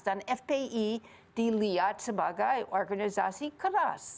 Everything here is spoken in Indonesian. dan fpi dilihat sebagai organisasi keras